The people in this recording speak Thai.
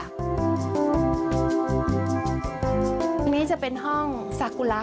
ตรงนี้จะเป็นห้องสากุระ